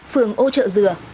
phường ô trợ dừa